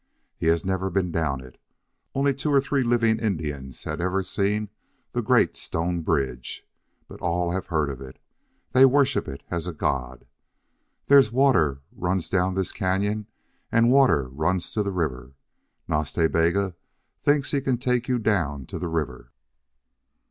He has never been down it. Only two or three living Indians have ever seen the great stone bridge. But all have heard of it. They worship it as a god. There's water runs down this cañon and water runs to the river. Nas Ta Bega thinks he can take you down to the river."